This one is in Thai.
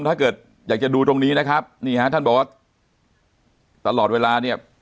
ถ้าเกิดอยากจะดูตรงนี้นะครับนี่ฮะท่านบอกว่าตลอดเวลาเนี่ย